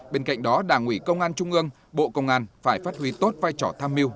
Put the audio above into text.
bên cạnh đó đảng ủy công an trung ương bộ công an phải phát huy tốt vai trò tham mưu